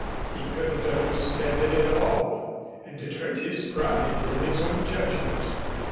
He couldn't understand it at all, and it hurt his pride in his own judgment.